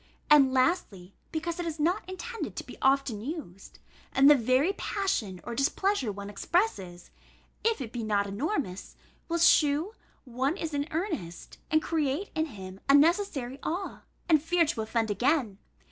And, lastly, because it is not intended to be often used: and the very passion or displeasure one expresses (if it be not enormous) will shew one is in earnest, and create in him a necessary awe, and fear to offend again.